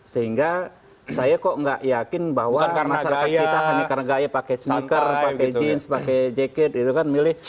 sehingga saya kok nggak yakin bahwa masyarakat kita hanya karena gaya pakai sneaker pakai jeans pakai jaket itu kan milih